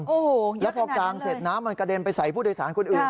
โอ้โฮเยอะขนาดนั้นเลยแล้วพอกลางเสร็จน้ำมันกระเด็นไปใส่ผู้โดยสารคนอื่น